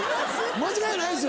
間違いないです。